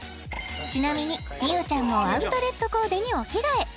ちなみに美羽ちゃんもアウトレットコーデにお着替え